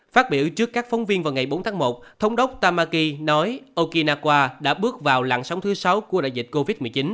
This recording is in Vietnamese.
phát biểu trước các phóng viên vào ngày bốn tháng một thống đốc tam maki nói okinawa đã bước vào lặn sóng thứ sáu của đại dịch covid một mươi chín